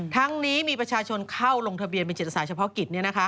ทั้งนี้มีประชาชนเข้าลงทะเบียนเป็นจิตศาสเพาะกิจ